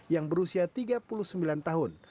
yang berusia tiga puluh sembilan tahun